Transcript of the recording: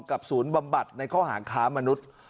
ศูนย์บำบัดในข้อหางค้ามนุษย์